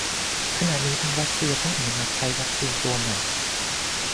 ขณะนี้ทางรัสเซียเพิ่งอนุมัติใช้วัคซีนตัวใหม่